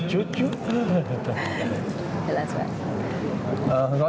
มีความสัย